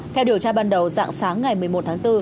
theo điều tra ban đầu dạng sáng ngày một mươi một tháng bốn